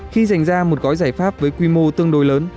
khi giành ra một gói giải pháp với quy mô tương đối lớn